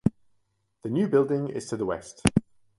The new building is to the west.